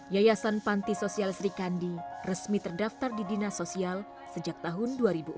yayasan panti sosial sri kandi resmi terdaftar di dinas sosial sejak tahun dua ribu empat